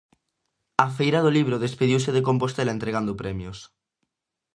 A Feira do Libro despediuse de Compostela entregando premios.